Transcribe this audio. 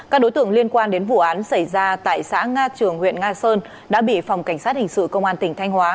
các đối tượng liên quan đến vụ án xảy ra tại xã nga trường huyện nga sơn đã bị phòng cảnh sát hình sự công an tỉnh thanh hóa